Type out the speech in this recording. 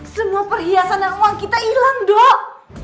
semua perhiasan dan uang kita hilang dok